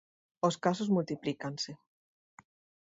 Os casos multiplícanse.